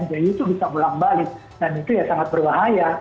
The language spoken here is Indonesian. jadi itu bisa ulang balik dan itu sangat berbahaya